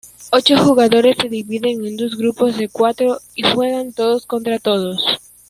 Ocho jugadores se dividen en dos grupos de cuatro, y juegan todos contra todos.